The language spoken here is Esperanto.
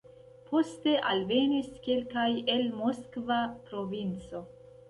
Poste alvenis kelkaj el Moskva provinco.